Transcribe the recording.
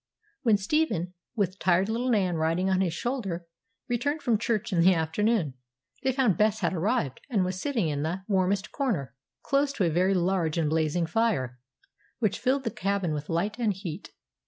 When Stephen, with tired little Nan riding on his shoulder, returned from church in the afternoon, they found Bess had arrived, and was sitting in the warmest corner, close to a very large and blazing fire, which filled the cabin with light and heat.